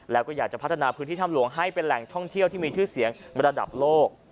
แล้วก็อยากจะพัฒนาพื้นที่ถ้ำหลวงให้เป็นแหล่งท่องเที่ยวที่มีชื่อเสียงระดับโลก